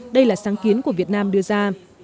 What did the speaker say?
đây là sáng kiến của việt nam đưa ra